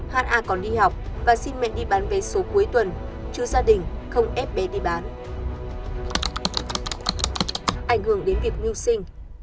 ha còn đi học và xin mẹ đi bán vé số cuối tuần chứ gia đình không ép bé đi bán